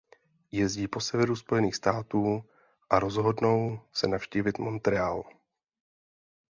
Jezdí po severu Spojených států a rozhodnou se navštívit Montréal.